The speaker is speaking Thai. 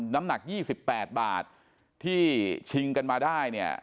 น้ำหนัก๒๘บาทที่ชิงกันมาได้เนี่ย